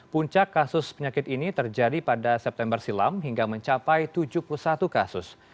puncak kasus penyakit ini terjadi pada september silam hingga mencapai tujuh puluh satu kasus